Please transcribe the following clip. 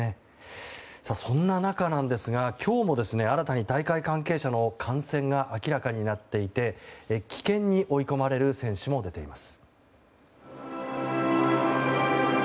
そんな中なんですが今日も新たに大会関係者の感染が明らかになっていて棄権に追い込まれる選手も出ています。